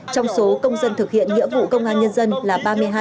trong số công dân thực hiện nghĩa vụ công an nhân dân là ba mươi hai